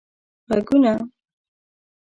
ږغونه